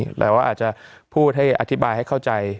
แต่ว่าอาจจะพูดให้อธิบายให้เข้าใจ